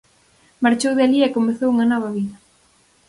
Marchou de alí e comezou unha nova vida.